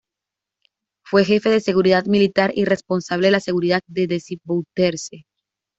Fue jefe de seguridad militar y responsable de la seguridad de Desi Bouterse.